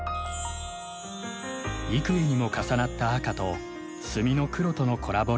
幾重にも重なった赤と墨の黒とのコラボレーション。